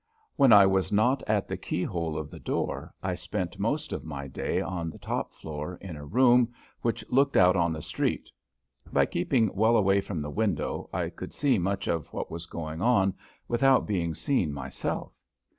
When I was not at the keyhole of the door I spent most of my day on the top floor in a room which looked out on the street. By keeping well away from the window I could see much of what was going on without being seen myself.